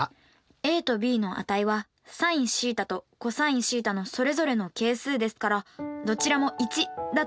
ａとｂの値はｓｉｎθとｃｏｓθのそれぞれの係数ですからどちらも１だと思います。